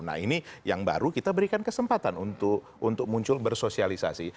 nah ini yang baru kita berikan kesempatan untuk muncul bersosialisasi